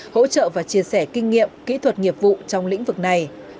hỗ trợ và chia sẻ kinh nghiệm kỹ thuật nghiệp vụ trong lĩnh vực này